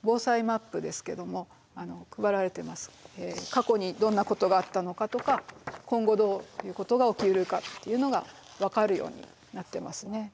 過去にどんなことがあったのかとか今後どういうことが起きるかっていうのが分かるようになってますね。